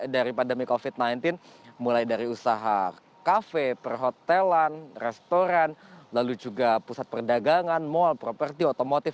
dari pandemi covid sembilan belas mulai dari usaha kafe perhotelan restoran lalu juga pusat perdagangan mal properti otomotif